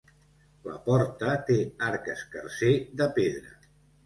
La porta té arc escarser de pedra.